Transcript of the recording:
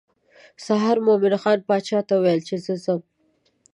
سهار مومن خان باچا ته وویل چې زه ځم.